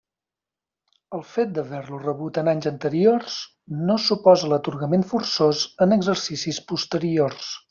El fet d'haver-lo rebut en anys anteriors no suposa l'atorgament forçós en exercicis posteriors.